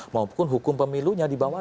maupun hukum pemilunya di bawah